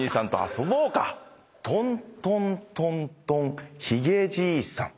「トントントントンひげじいさん」